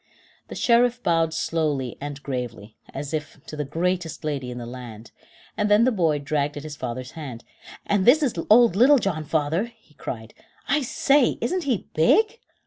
The Sheriff bowed slowly 'and gravely, as if to the greatest lady in the land, and then the boy dragged at his father's hand. "And this is old Little John, father," he cried. "I say, isn't he big!"